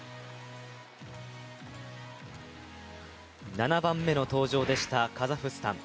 ７番目の登場でしたカザフスタン。